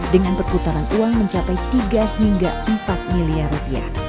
dengan perputaran uang mencapai tiga hingga empat miliar rupiah